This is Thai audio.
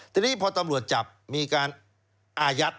ทีนี้พอตำรวจจับมีการอายัด